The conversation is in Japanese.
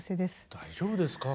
大丈夫ですか？